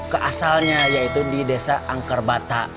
ke asalnya yaitu di desa angkerbata